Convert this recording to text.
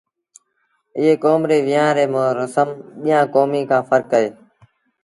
ايئ ڪوم ري ويهآݩ ريٚ رسم ٻيآݩ ڪوميݩ کآݩ ڦرڪ اهي